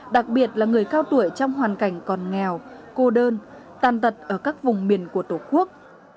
đặc biệt là người cao tuổi trong hoàn cảnh còn nghèo cô đơn tàn tật ở các vùng miền của tổ quốc